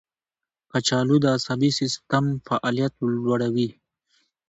کچالو د عصبي سیستم فعالیت لوړوي.